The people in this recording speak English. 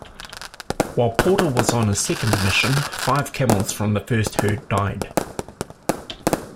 While Porter was on his second mission, five camels from the first herd died.